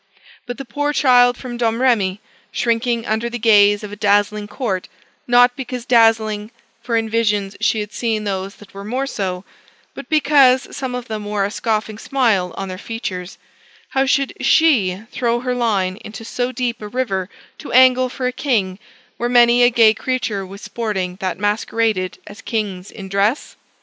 But the poor child from Domrémy, shrinking under the gaze of a dazzling court not because dazzling (for in visions she had seen those that were more so,) but because some of them wore a scoffing smile on their features how should she throw her line into so deep a river to angle for a king, where many a gay creature was sporting that masqueraded as kings in dress?